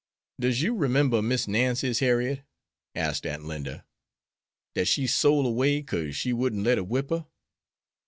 "Does yer 'member Miss Nancy's Harriet," asked Aunt Linda, "dat she sole away kase she wouldn't let her whip her?